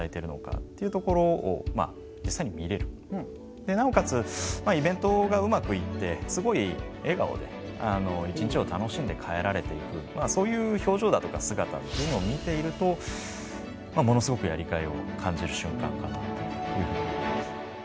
でなおかつイベントがうまくいってすごい笑顔で一日を楽しんで帰られていくそういう表情だとか姿っていうのを見ているとものすごくやりがいを感じる瞬間かなあというふうに思います。